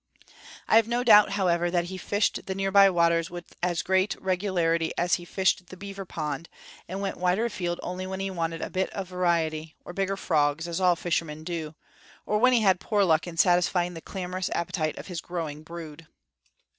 I have no doubt, however, that he fished the near by waters with as great regularity as he fished the beaver pond, and went wider afield only when he wanted a bit of variety, or bigger frogs, as all fishermen do; or when he had poor luck in satisfying the clamorous appetite of his growing brood.